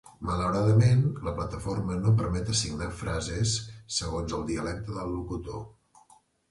Malauradament, la plataforma no permet assignar frases segons el dialecte del locutor.